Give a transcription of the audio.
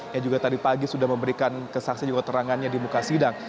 yang juga tadi pagi sudah memberikan kesaksian juga terangannya di muka sidang